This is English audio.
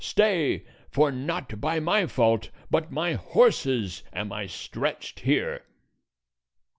stay, for not by my fault, but my horse's, am I stretched here."